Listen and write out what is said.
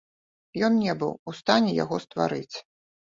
Ён не быў у стане яго стварыць.